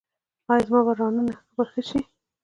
ایا زما رانونه به ښه شي؟